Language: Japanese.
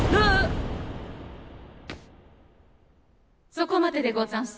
そこまででござんす。